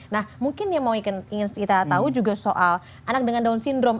nah mungkin yang ingin kita tahu juga soal anak dengan down syndrome